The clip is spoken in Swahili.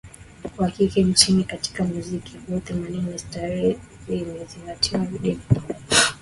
wa kike nchini katika muziki huo Tathimini ya Starehe imezingatia vigezo katika maeneo mbalimbali